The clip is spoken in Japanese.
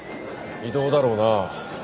異動だろうな。